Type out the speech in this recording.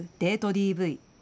ＤＶ。